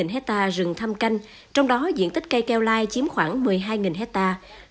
hai mươi hectare rừng thăm canh trong đó diện tích cây keo rai chiếm khoảng một mươi hai hectare